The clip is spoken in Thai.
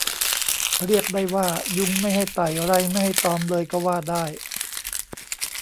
เรียกได้ว่ายุงไม่ให้ไต่ไรไม่ให้ตอมเลยก็ว่าได้